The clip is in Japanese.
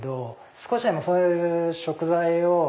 少しでもそういう食材を。